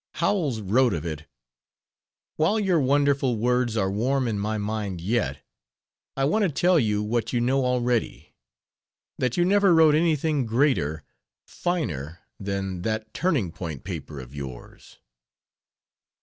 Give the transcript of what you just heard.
Howells wrote of it, "While your wonderful words are warm in my mind yet, I want to tell you what you know already: that you never wrote anything greater, finer, than that turning point paper of yours."